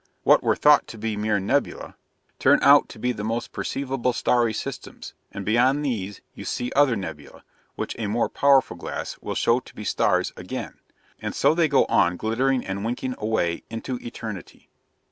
What were thought to be mere nebulae, turn out to be most perceivable starry systems; and beyond these, you see other nebulae, which a more powerful glass will show to be stars, again; and so they go on glittering and winking away into eternity.'